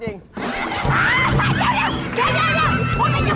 เดี๋ยวพวกเขาจะหวังแล้วตั้ง